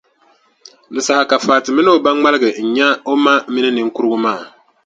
Di saha ka Fati mini o ba ŋmaligi n-nya o ma mini niŋkurugu maa.